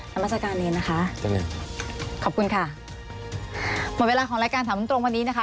นามัศกาลนี้นะคะขอบคุณค่ะหมดเวลาของรายการถามตรงวันนี้นะคะ